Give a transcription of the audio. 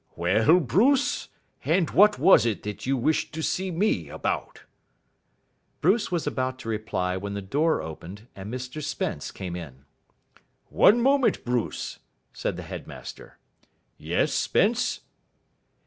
"Well, Bruce, and what was it that you wished to see me about?" Bruce was about to reply when the door opened, and Mr Spence came in. "One moment, Bruce," said the headmaster. "Yes, Spence?"